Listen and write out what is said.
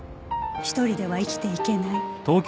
一人では生きていけない